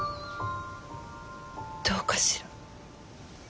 どうかしら。